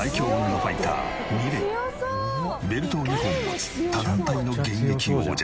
ベルトを２本持つ他団体の現役王者。